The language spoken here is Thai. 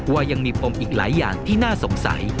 ว่ายังมีปมอีกหลายอย่างที่น่าสงสัย